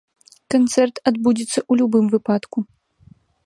Канцэрт адбудзецца ў любым выпадку.